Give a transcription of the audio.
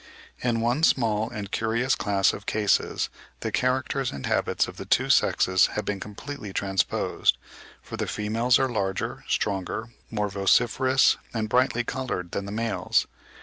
In one small and curious class of cases the characters and habits of the two sexes have been completely transposed, for the females are larger, stronger, more vociferous and brighter coloured than the males.